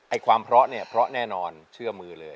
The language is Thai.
ความเพราะเนี่ยเพราะแน่นอนเชื่อมือเลย